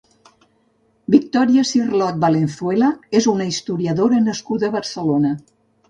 Victòria Cirlot Valenzuela és una historiadora nascuda a Barcelona.